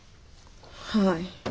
はい。